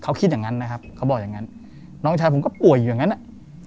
เขาคิดอย่างนั้นนะครับเขาบอกอย่างงั้นน้องชายผมก็ป่วยอยู่อย่างนั้นอ่ะ